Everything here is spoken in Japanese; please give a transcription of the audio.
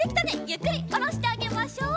ゆっくりおろしてあげましょう。